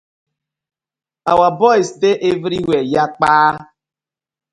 Our boyz dey everywhere yakpa.